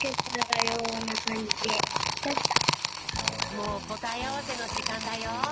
もうこたえあわせのじかんだよ。